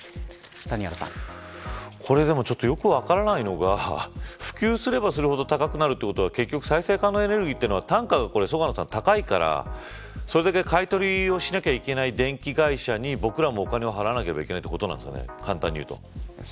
これ、でもちょっとよく分からないのが普及すればするほど高くなるということは結局、再生可能エネルギーの単価が高いからそれだけ買い取りをしなきゃいけない電気会社に僕らもお金を払わなきゃいけないということなんですかね。